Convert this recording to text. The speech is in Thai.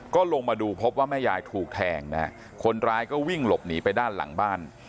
ก็ลงมาดูพบว่าแม่ยายถูกแทงนะฮะคนร้ายก็วิ่งหลบหนีไปด้านหลังบ้าน